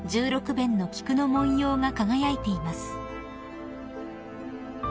弁の菊の文様が輝いています］